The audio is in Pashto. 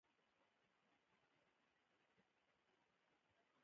د پښتو ژبې د بډاینې لپاره پکار ده چې رسمي ژبه روانه شي.